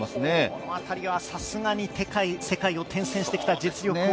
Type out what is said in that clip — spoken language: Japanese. このあたりはさすがに世界を転戦した実力を。